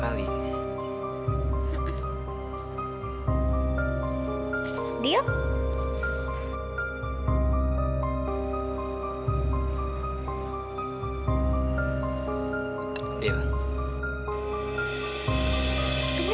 sepuluh hari sudah dikumsum